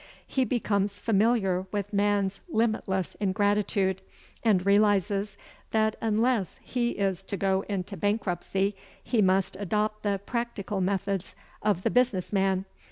He becomes familiar with man's limitless ingratitude and realizes that unless he is to go into bankruptcy he must adopt the "practical" methods of the business man.